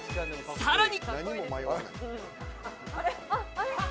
さらに！